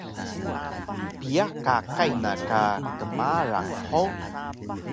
Piya qaqay na ka kmarang hug?